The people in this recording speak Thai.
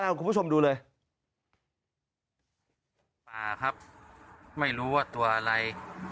คุณผู้ชมดูเลยป่าครับไม่รู้ว่าตัวอะไร